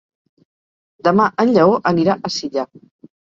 Demà en Lleó anirà a Silla.